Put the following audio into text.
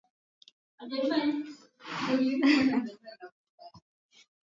arobaini na mbili na Burundi asilimia sabini na nane